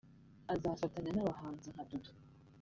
azafatanya n’abahanzi nka Dudu